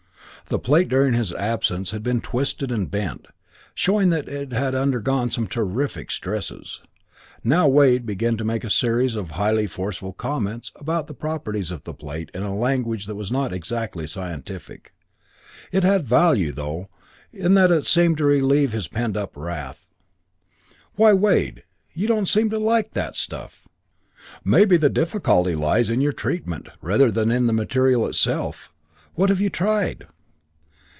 The plate, during his absence, had been twisted and bent, showing that it had undergone some terrific stresses. Now Wade began to make a series of highly forceful comments about the properties of the plate in language that was not exactly scientific. It had value, though, in that it seemed to relieve his pent up wrath. "Why, Wade, you don't seem to like that stuff. Maybe the difficulty lies in your treatment, rather than in the material itself. What have you tried?"